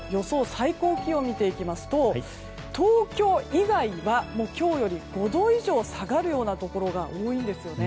最高気温を見ていきますと東京以外は今日より５度以上下がるようなところが多いんですよね。